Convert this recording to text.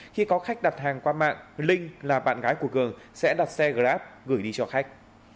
khi có khách đặt hàng qua mạng blink là bạn gái của g sẽ đặt xe grab gửi đi cho khách